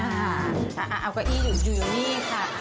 เอากะอี้อยู่อยู่นี่ค่ะ